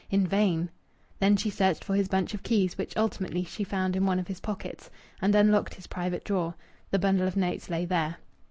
In vain! Then she searched for his bunch of keys (which ultimately she found in one of his pockets) and unlocked his private drawer. The bundle of notes lay there.